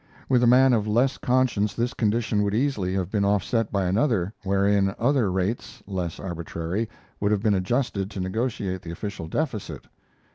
With a man of less conscience this condition would easily have been offset by another wherein other rates, less arbitrary, would have been adjusted to negotiate the official deficit.